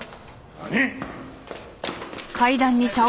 何！？